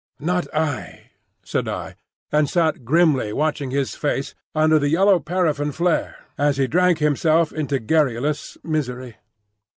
"Not I," said I, and sat grimly watching his face under the yellow paraffine flare, as he drank himself into a garrulous misery.